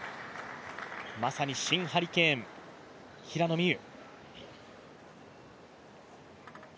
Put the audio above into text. まさに新ハリケーン、平野美宇。